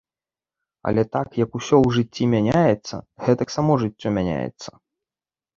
Але так як усё ў жыцці мяняецца, гэтак само жыццё мяняецца.